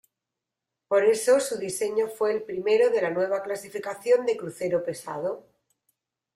Por ello su diseño fue el primero de la nueva clasificación de crucero pesado.